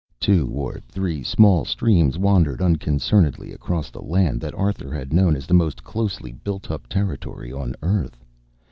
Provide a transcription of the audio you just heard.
Two or three small streams wandered unconcernedly across the land that Arthur had known as the most closely built up territory on earth.